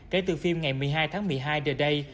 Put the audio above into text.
kể từ phim ngày một mươi hai tháng một mươi hai the day